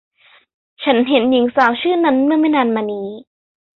ฉันเห็นหญิงสาวชื่อนั้นเมื่อไม่นานมานี้